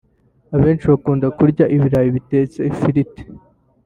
Abenshi bakunda kurya ibirayi bitetse ifiriti